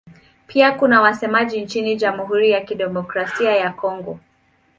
Pia kuna wasemaji nchini Jamhuri ya Kidemokrasia ya Kongo.